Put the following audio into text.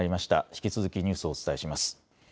引き続きニュースをお伝えします。